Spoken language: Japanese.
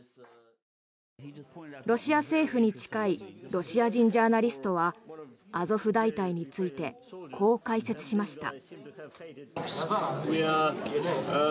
ロシア政府に近いロシア人ジャーナリストはアゾフ大隊についてこう解説しました。